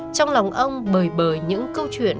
trong lòng ông bời bời những câu chuyện